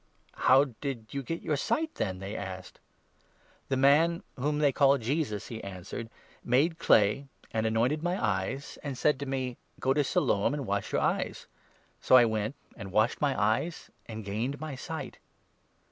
" How did you get your sight, then ?" they asked. 10 "The man whom they call Jesus," he answered, "made n clay, and anointed my eyes, and said to me ' Go to Siloam arid wash your eyes.' So I went and washed my eyes, and gained my sight."